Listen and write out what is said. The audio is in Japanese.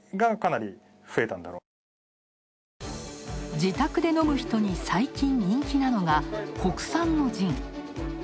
自宅で飲む人に最近人気なのが国産のジン。